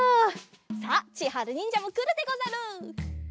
さあちはるにんじゃもくるでござる。